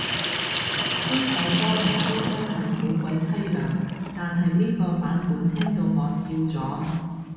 呢首歌原曲真係好鬼淒涼，但係呢個版本聽到我笑咗